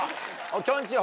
きょんちぃ